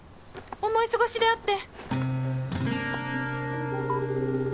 思い過ごしであって